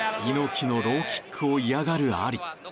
猪木のローキックを嫌がるアリ。